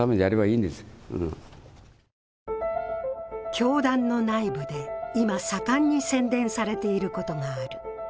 教団の内部で今、盛んに宣伝されていることがある。